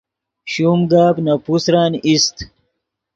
شوم گپ نے پوسرن ایست